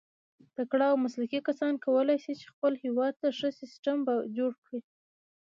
تکړه او مسلکي کسان کولای سي، چي خپل هېواد ته ښه سیسټم جوړ کي.